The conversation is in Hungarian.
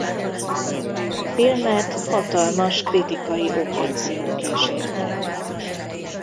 A filmet hatalmas kritikai ováció kísérte.